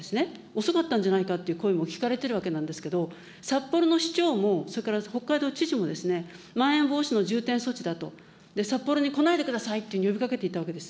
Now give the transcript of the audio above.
遅かったんじゃないかという声も聞かれているわけなんですけれども、札幌の市長もそれから北海道知事も、まん延防止の重点措置だと、札幌に来ないでくださいって呼びかけていたわけです。